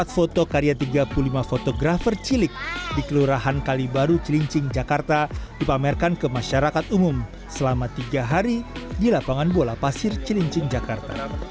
empat foto karya tiga puluh lima fotografer cilik di kelurahan kalibaru cilincing jakarta dipamerkan ke masyarakat umum selama tiga hari di lapangan bola pasir cilincing jakarta